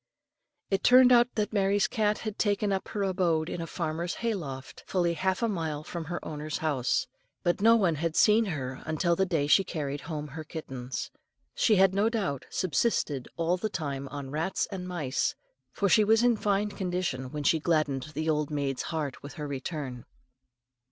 It turned out that Mary's cat had taken up her abode in a farmer's hay loft, fully half a mile from her owner's house; but no one had seen her until the day she carried home her kittens. She had no doubt subsisted all the time on rats and mice, for she was in fine condition when she gladdened the old maid's heart with her return.